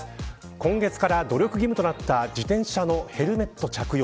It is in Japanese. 今月から努力義務となった自転車のヘルメット着用。